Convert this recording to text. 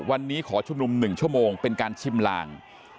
วันนี้ขอชุมนุม๑ชั่วโมงเป็นการชิมลาง